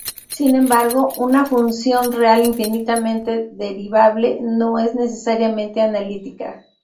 Sin embargo, una función real infinitamente derivable no es necesariamente analítica.